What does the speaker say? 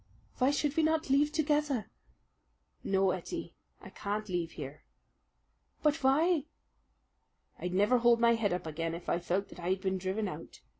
"Why should we not leave together?" "No, Ettie, I can't leave here." "But why?" "I'd never hold my head up again if I felt that I had been driven out.